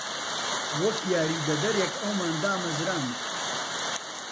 وەک یاریدەدەرێک ئەومان دامەزراند.